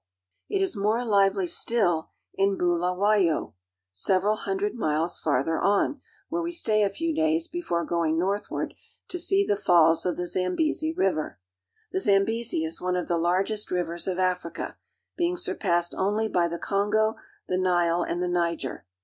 It is more lively still in Bulawayo (boo la wa'y5), several hundred miles farther on, where we stay a few days before going northward to see the falls of the Zambezi River. The Zambezi is one of the largest rivers of Africa, being surpassed only by the Kongo, the Nile, and the Niger.